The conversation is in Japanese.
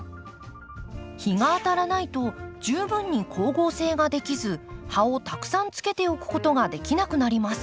日が当たらないと十分に光合成ができず葉をたくさんつけておくことができなくなります。